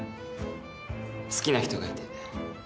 好きな人がいて。